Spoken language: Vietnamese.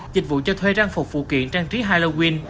dịch vụ cho thuê trang phục phụ kiện trang trí halloween